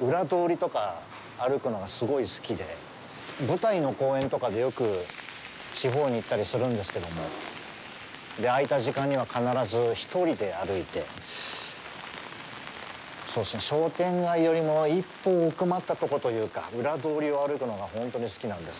裏通りとか歩くのがすごい好きで、舞台の公演とかでよく地方に行ったりするんですけども、あいた時間には必ず１人で歩いて、そうですね、商店街よりも、一歩奥まったとこというか、裏通りを歩くのが本当に好きなんです。